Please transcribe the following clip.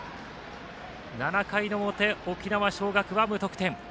７回の表、沖縄尚学は無得点。